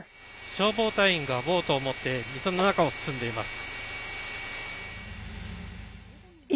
消防隊員がボートを持って水の中を進んでいます。